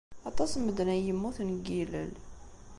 Aṭas n medden ay yemmuten, deg yilel.